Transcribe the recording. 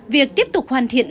việc tiếp tục hoàn thiện